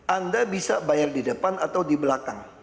anda bisa bayar di depan atau di belakang